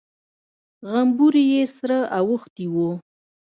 غومبري يې سره اوښتي وو.